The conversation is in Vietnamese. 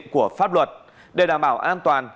của pháp luật để đảm bảo an toàn